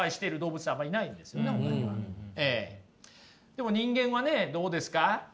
でも人間はねどうですか？